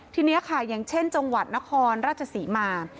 ทีนี้ค่ะอย่างเช่นจังหวัดนครราชศรีมา